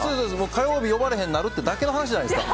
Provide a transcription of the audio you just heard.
火曜日呼ばれへんくなるってだけの話じゃないですか。